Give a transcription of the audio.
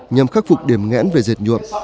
nhằm khắc phục điểm ngãn về diệt nhuộm